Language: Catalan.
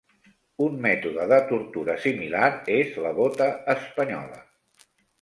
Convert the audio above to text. Un mètode de tortura similar és la bota espanyola.